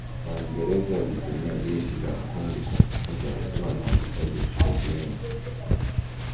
Waingereza walitumia jeshi la Wahindi kumfukuza Lettow na walihitaji wachukuzi wengi